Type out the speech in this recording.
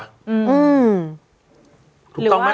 หืม